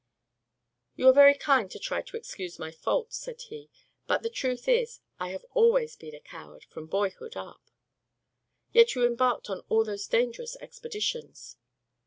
"You are very kind to try to excuse my fault," said he, "but the truth is I have always been a coward from boyhood up." "Yet you embarked on all those dangerous expeditions."